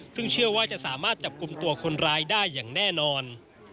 ซึ่งเชื่อว่าจะสามารถจับกลุ่มตัวคนร้ายได้อย่างแน่นอน